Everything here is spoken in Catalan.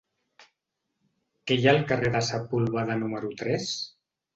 Què hi ha al carrer de Sepúlveda número tres?